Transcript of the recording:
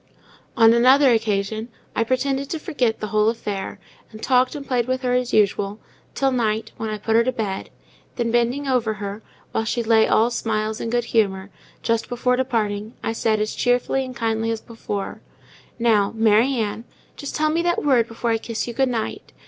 On another occasion, I pretended to forget the whole affair; and talked and played with her as usual, till night, when I put her to bed; then bending over her, while she lay all smiles and good humour, just before departing, I said, as cheerfully and kindly as before—"Now, Mary Ann, just tell me that word before I kiss you good night.